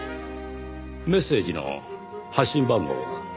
メッセージの発信番号は？